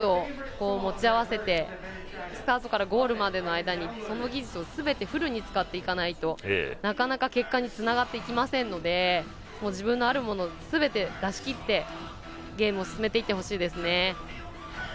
スキークロスはいろんな技術を持ち合わせてスタートからゴールまでの間にその技術をフルに使っていかないとなかなか結果につながっていきませんので自分のあるものをすべて出しきってゲームを進めていってほしいです。